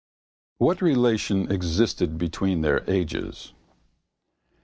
What relation existed between their ages?